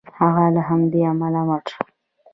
هغه له همدې امله مړ شو.